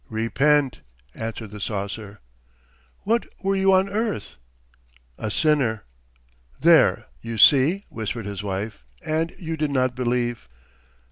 "Repent," answered the saucer. "What were you on earth?" "A sinner. ..." "There, you see!" whispered his wife, "and you did not believe!"